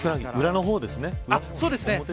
裏の方ですね。